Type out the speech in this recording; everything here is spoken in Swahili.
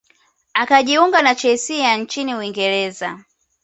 akajiunga na chelsea ya nchini uingereza